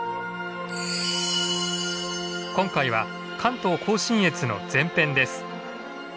今回は関東甲信越の前編です。